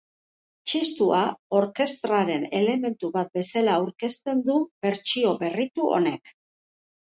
Txistua orkestraren elementu bat bezala aurkezten du bertsio berritu honek.